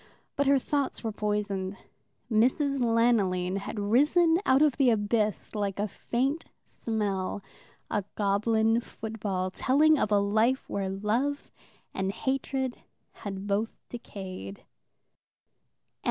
But her thoughts were poisoned. Mrs. Lanoline had risen out of the abyss, like a faint smell, a goblin football, telling of a life where love and hatred had both decayed.